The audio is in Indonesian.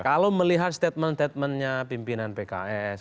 kalau melihat statement statementnya pimpinan pks